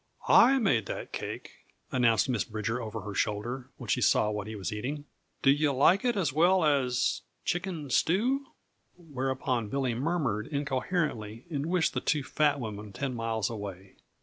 "I made that cake," announced Miss Bridger over her shoulder when she saw what he was eating. "Do you like it as well as chicken stew?" Whereupon Billy murmured incoherently and wished the two fat women ten miles away.